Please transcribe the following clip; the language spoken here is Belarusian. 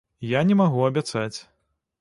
Я не магу абяцаць.